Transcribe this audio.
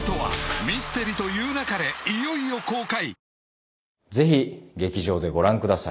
［いよいよ公開！］